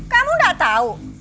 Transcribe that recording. kamu gak tahu